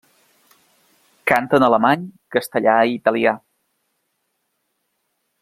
Canta en alemany, castellà i italià.